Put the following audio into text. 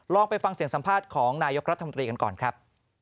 ไปฟังเสียงสัมภาษณ์ของนายกรัฐมนตรีกันก่อนครับ